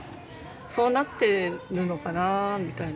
「そうなってるのかなぁ」みたいな。